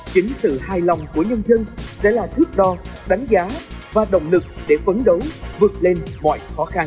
chính sự hài lòng của nhân dân sẽ là thước đo đánh giá và động lực để phấn đấu vượt lên mọi khó khăn